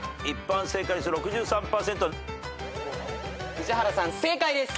宇治原さん正解です。